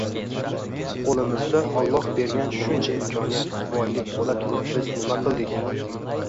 Qo‘limizda Olloh bergan shuncha imkoniyat, boylik bo‘la turib biz nima qildik?